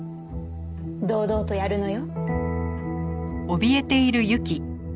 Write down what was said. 堂々とやるのよ。